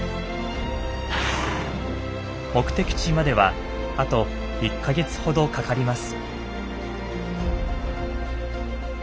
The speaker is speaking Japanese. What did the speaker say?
目的地まではあと１か月ほどかかります。